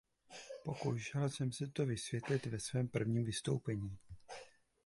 Pokoušela jsem se to vysvětlit ve svém prvním vystoupení.